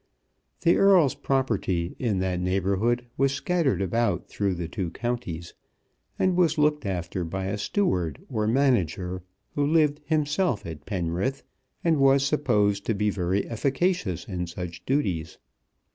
The Earl's property in that neighbourhood was scattered about through the two counties, and was looked after by a steward, or manager, who lived himself at Penrith, and was supposed to be very efficacious in such duties.